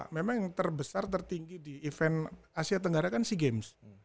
memang yang terbesar tertinggi di event asia tenggara kan sea games